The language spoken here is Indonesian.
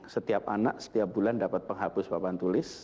setiap anak setiap bulan dapat penghapus papan tulis